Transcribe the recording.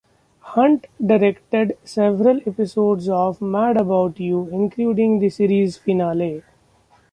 Hunt directed several episodes of "Mad About You", including the series finale.